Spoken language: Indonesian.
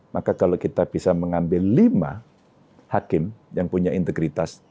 maka kalau kita bisa mengambil lima hakim yang punya integritas